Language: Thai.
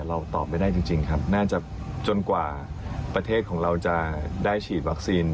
ตอบไม่ได้จริงครับน่าจะจนกว่าประเทศของเราจะได้ฉีดวัคซีน